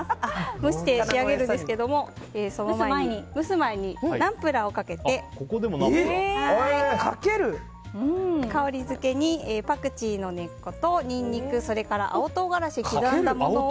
蒸して仕上げるんですけども蒸す前にナンプラーをかけて香りづけにパクチーの根っことニンニクそれから青唐辛子を刻んだものを。